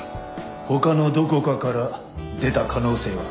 他のどこかから出た可能性は？